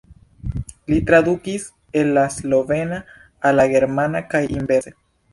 Li tradukis el la slovena al la germana kaj inverse.